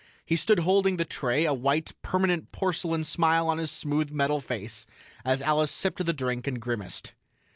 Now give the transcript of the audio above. He stood holding the tray, a white, permanent porcelain smile on his smooth metal face, as Alice sipped the drink and grimaced.